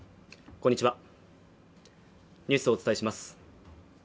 こんにちはニュースをお伝えします。